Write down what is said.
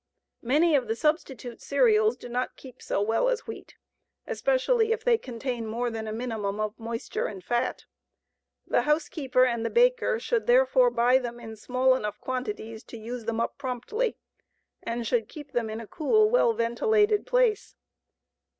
Many of the substitute cereals do not keep so well as wheat, especially if they contain more than a minimum of moisture and fat. The housekeeper and the baker should therefore buy them in small enough quantities to use them up promptly and should keep them in a cool, well ventilated place.